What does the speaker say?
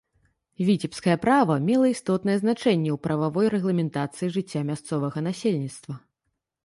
Віцебскае права мела істотнае значэнне ў прававой рэгламентацыі жыцця мясцовага насельніцтва.